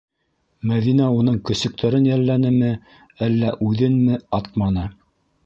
Мәҙинә уның көсөктәрен йәлләнеме, әллә үҙенме - атманы.